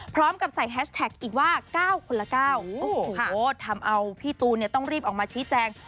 พร้อมกับใส่แฮชแท็กอีกว่า๙คนละ๙โอ้โหทำเอาพี่ตูนเนี่ยต้องรีบออกมาชี้แจง